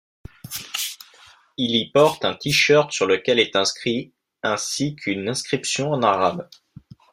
Il y porte un t-shirt sur lequel est inscrit ainsi qu'une inscription en arabe.